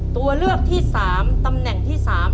ตัวเลือกที่สามตำแหน่งที่สาม